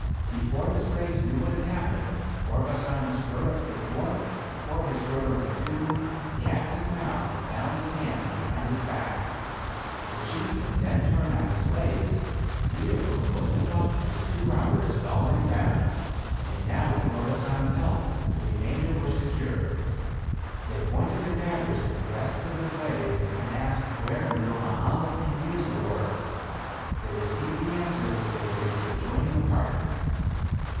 Before the slaves knew what had happened, Orbasan strode up to the dwarf, tore his girdle in two, gagged his mouth and bound his hands behind his back. The chieftain then turned on the slaves, three of whom Mustapha and the two robbers had already bound, and now with Orba san's help, the remainder were secured. They pointed their daggers at the breasts of the slaves and asked where Nurmahal and Mirza were. They received the answer that they were in the adjoining apartment.